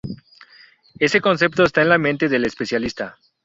Ese concepto está en la mente del especialista.